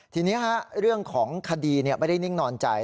ทีนี้เรื่องของคดีไม่ได้นิ่งนอนใจ